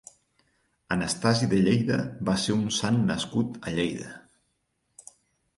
Anastasi de Lleida va ser un sant nascut a Lleida.